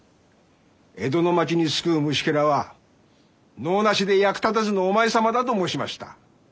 江戸の町に巣くう虫けらは能なしで役立たずのお前様だと申しました。